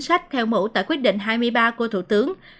danh sách theo mũ tại quyết định hai mươi ba của thủ tướng